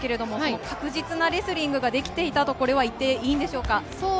確実なレスリングができていたと言っていいでしょうか。